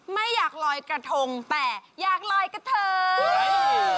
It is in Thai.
ไม่อยากลอยกระทงแต่อยากลอยกระเทย